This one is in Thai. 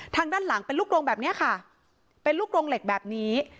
ทางด้านหลังเป็นลูกโรงแบบนี้ค่ะเป็นลูกโรงเหล็กแบบนี้